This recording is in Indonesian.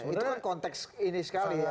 itu kan konteks ini sekali ya